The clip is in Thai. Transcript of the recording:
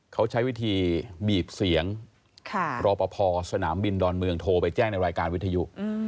เขาใช้วิธีบีบเสียงรอปภสนามบินดอนเมืองโทรไปแจ้งในรายการวิทยุ